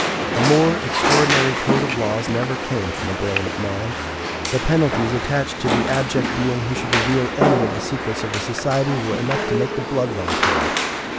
A more extraordinary code of laws never came from the brain of man. The penalties attached to the abject being who should reveal any of the secrets of the society were enough to make the blood run cold.